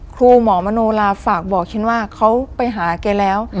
ครูหมอมโนราฝากบอกฉันว่าเขาไปหาแกแล้ว